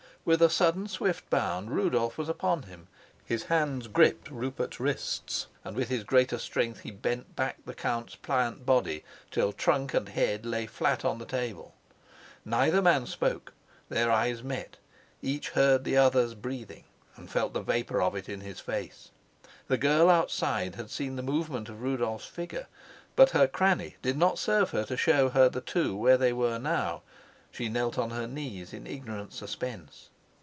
With a sudden swift bound Rudolf was upon him; his hands gripped Rupert's wrists, and with his greater strength he bent back the count's pliant body till trunk and head lay flat on the table. Neither man spoke; their eyes met; each heard the other's breathing and felt the vapor of it on his face. The girl outside had seen the movement of Rudolf's figure, but her cranny did not serve her to show her the two where they were now; she knelt on her knees in ignorant suspense.